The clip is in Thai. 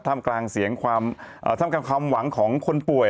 ท่ามกลางเสียงความความหวังของคนป่วย